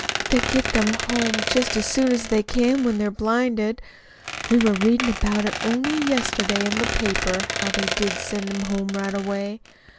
"They get them home just as soon as they can when they're blinded. We were readin' about it only yesterday in the paper how they did send 'em home right away.